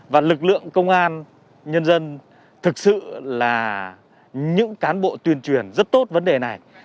và lực lượng công an nhân dân thực sự là những cán bộ tuyên truyền rất tốt vấn đề này